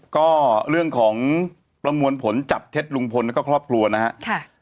ก็เรื่องของประมวลผลจับเท็จลุงพลแล้วก็ครอบครัวนะครับ